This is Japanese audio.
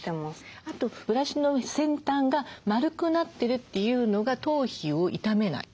あとブラシの先端が丸くなってるというのが頭皮を傷めない。